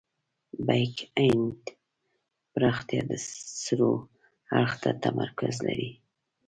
بیک اینډ پراختیا د سرور اړخ ته تمرکز لري.